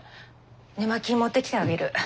寝巻き持ってきてあげる。